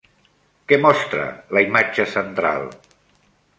Què mostra la imatge central?